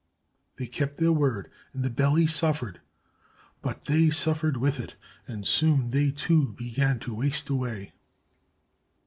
They kept their word, and the belly suffered; but they suffered with it, and soon they, too, began to waste away."